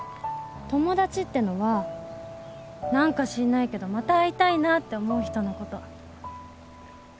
友達ってのは何か知んないけどまた会いたいなって思う人のこと